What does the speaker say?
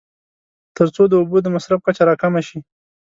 تر څو د اوبو د مصرف کچه راکمه شي.